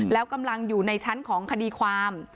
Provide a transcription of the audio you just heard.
แล้วกำลังอยู่ในชั้นของคดีความ